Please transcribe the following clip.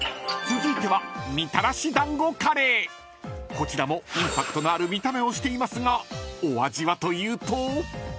［こちらもインパクトのある見た目をしていますがお味はというと］